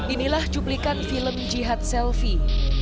inilah cuplikan film jihad selfie